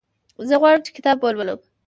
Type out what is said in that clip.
زه غواړم چې کتاب ولولم.